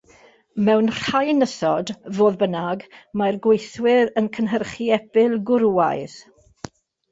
Mewn rhai nythod, fodd bynnag, mae'r gweithwyr yn cynhyrchu epil gwrywaidd.